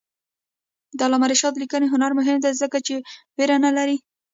د علامه رشاد لیکنی هنر مهم دی ځکه چې ویره نه لري.